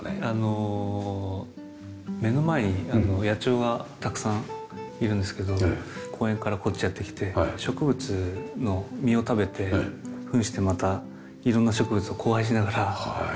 あの目の前に野鳥がたくさんいるんですけど公園からこっちやって来て植物の実を食べてふんしてまた色んな植物と交配しながら。